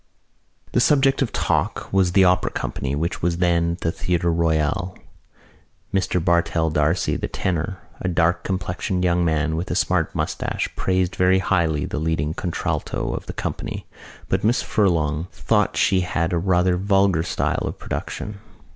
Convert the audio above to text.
The subject of talk was the opera company which was then at the Theatre Royal. Mr Bartell D'Arcy, the tenor, a dark complexioned young man with a smart moustache, praised very highly the leading contralto of the company but Miss Furlong thought she had a rather vulgar style of production.